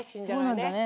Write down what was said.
そうなんだね。